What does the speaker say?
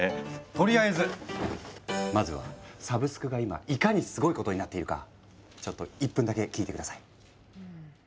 とりあえずまずはサブスクが今いかにスゴいことになっているかちょっと１分だけ聞いて下さい。